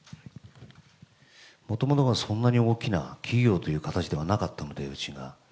もともとそんなに企業という形ではなかったので、うちが。